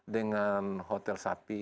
dengan hotel sapi